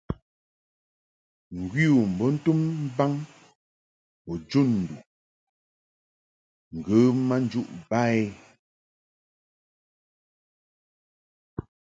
Ŋgwi u bə ntum baŋ u jun nduʼ ŋgə ma njuʼ ba i.